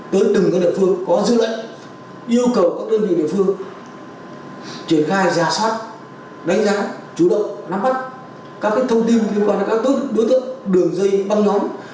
tới từng đại phương có dự lệnh yêu cầu các đơn vị đại phương triển khai giả sát đánh giá chủ động nắm bắt các thông tin liên quan đến các đối tượng đường dây băng nhóm